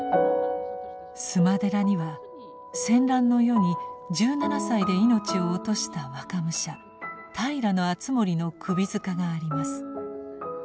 須磨寺には戦乱の世に１７歳で命を落とした若武者平敦盛の首塚があります。